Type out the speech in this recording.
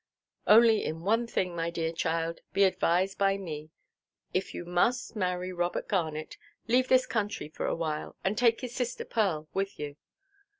Only in one thing, my dear child, be advised by me. If you must marry Robert Garnet, leave this country for a while, and take his sister Pearl with you."